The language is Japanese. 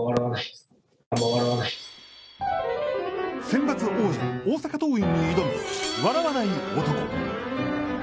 センバツ王者・大阪桐蔭に挑む笑わない男。